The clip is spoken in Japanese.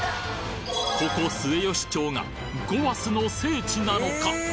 ここ末吉町が「ごわす」の聖地なのか？